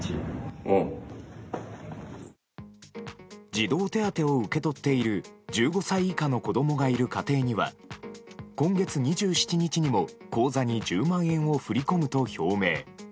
児童手当を受け取っている１５歳以下の子供がいる家庭には今月２７日にも口座に１０万円を振り込むと表明。